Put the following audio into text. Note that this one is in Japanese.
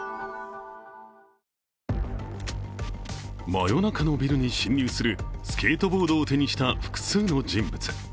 真夜中のビルに侵入するスケートボードを手にした複数の人物。